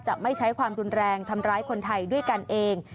ไม่ใช้ความรุนแรงทำร้ายคนไทยด้วยกันเอง